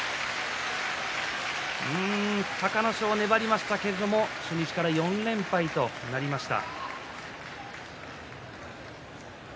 隆の勝、粘りましたが初日から４連敗となりました。